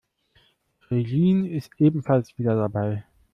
Regine ist ebenfalls wieder dabei.